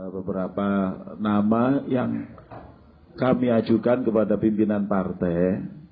beberapa nama yang kami ajukan kepada pimpinan partai